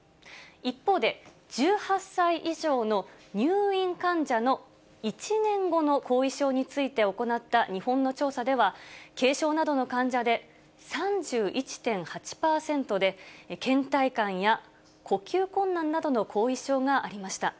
一方で、１８歳以上の入院患者の１年後の後遺症について行った日本の調査では、軽症などの患者で３１．８％で、けん怠感や呼吸困難などの後遺症がありました。